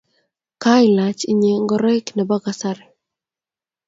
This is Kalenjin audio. Kailach ine ngoriet nebo kasari